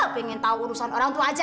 pengen tahu urusan orang tua aja